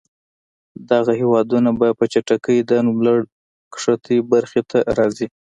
دغه هېوادونه به په چټکۍ د نوملړ ښکتنۍ برخې ته راځي.